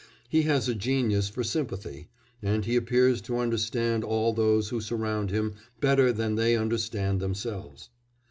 He has a genius for sympathy, and he appears to understand all those who surround him better than they understand themselves.